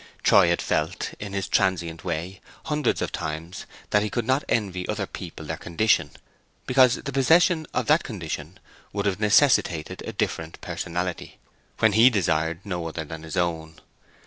Troy had felt, in his transient way, hundreds of times, that he could not envy other people their condition, because the possession of that condition would have necessitated a different personality, when he desired no other than his own.